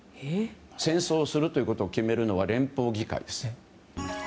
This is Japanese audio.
戦争をするということを決めるのは連邦議会です。